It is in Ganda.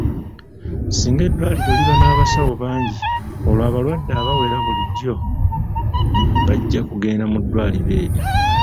Singa eddwaliro liba n'abasawo bangi olwo abalwadde abawera bulijjo bajja kugenda mu ddwaliro eryo.